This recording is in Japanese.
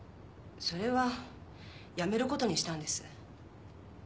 それはやめる事にしたんです。